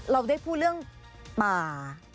เราได้พูดเรื่องป่า